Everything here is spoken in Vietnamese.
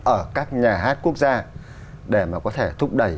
ở các nhà hát quốc gia